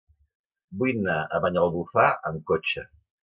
Vull anar a Banyalbufar amb cotxe.